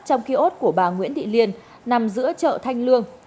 trong kiosk của bà nguyễn thị liên nằm giữa chợ thanh lương